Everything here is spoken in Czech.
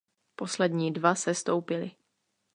Poslední dva sestoupili.